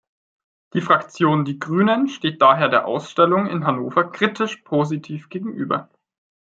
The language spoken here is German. Die Fraktion Die Grünen steht daher der Ausstellung in Hannover kritisch positiv gegenüber.